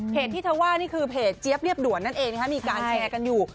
ที่เธอว่านี่คือเพจเจี๊ยบเรียบด่วนนั่นเองมีการแชร์กันอยู่